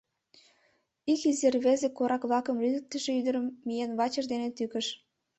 Ик изи рвезе корак-влакым лӱдыктышӧ ӱдырым миен вачыж дене тӱкыш.